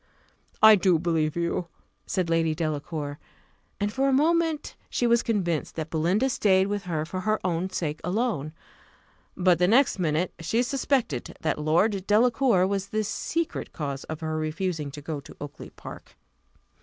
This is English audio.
"I do believe you," said Lady Delacour; and for a moment she was convinced that Belinda stayed with her for her own sake alone; but the next minute she suspected that Lord Delacour was the secret cause of her refusing to go to Oakly park.